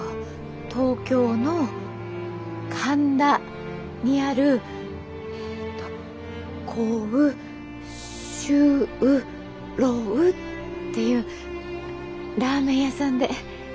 東京の神田にある杭州楼っていうラーメン屋さんで。